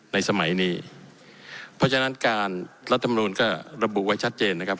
ในสมัยนี้เพราะฉะนั้นการรัฐมนูลก็ระบุไว้ชัดเจนนะครับ